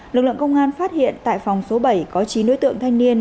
lực lượng công an phát hiện tại phòng số bảy có chín đối tượng thanh niên